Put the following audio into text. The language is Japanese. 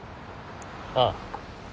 ああ。